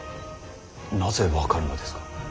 なぜ分かるのですか。